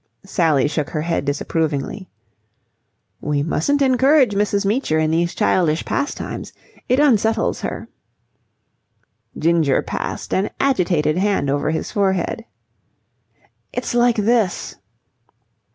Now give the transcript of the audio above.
Sally shook her head disapprovingly. "You mustn't encourage Mrs. Meecher in these childish pastimes. It unsettles her." Ginger passed an agitated hand over his forehead. "It's like this..."